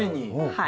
はい。